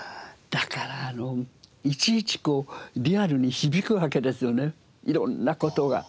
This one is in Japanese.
だからいちいちこうリアルに響くわけですよね色んな事が。